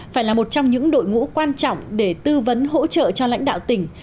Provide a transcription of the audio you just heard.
phải là một trong những đội ngũ quan trọng để tư vấn hỗ trợ cho lãnh đạo tỉnh